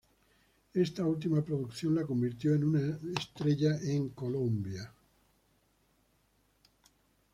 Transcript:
Esta última producción la convirtió en una estrella en Colombia.